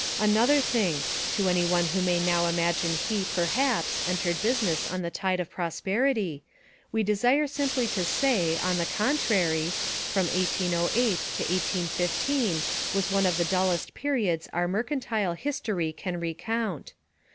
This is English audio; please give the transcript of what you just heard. Another thing, to any one who may now imagine he, perhaps, entered business on the tide of prosperity, we desire simply to say, on the contrary, from 1808 to 1815 was one of the dullest periods our mercantile history can recount.